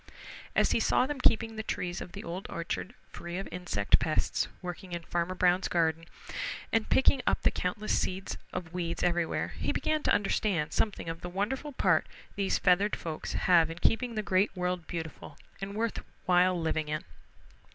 As he saw them keeping the trees of the Old Orchard free of insect pests working in Farmer Brown's garden, and picking up the countless seeds of weeds everywhere, he began to understand something of the wonderful part these feathered folks have in keeping the Great World beautiful and worth while living in.